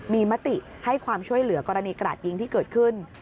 มีมติให้ความช่วยเหลือกรณีกราดยิงที่เกิดขึ้น